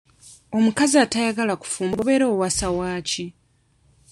Omukazi atayagala kufumba obeera owasa waaki?